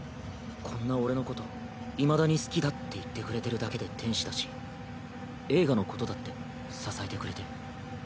こんな俺のこといまだに好きだって言ってくれてるだけで天使だし映画のことだって支えてくれて。